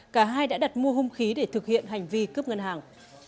cả hai đã đặt mua hung khí để thực hiện hành vi cướp ngân hàng